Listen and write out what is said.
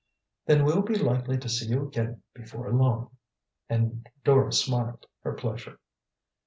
"Then we'll be likely to see you again before long," and Dora smiled her pleasure.